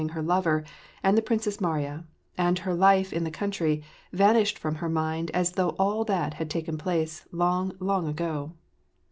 ing her lover, and the Princess Mariya, and her life in the country, vanished from her mind as though all that had taken place long, long ago.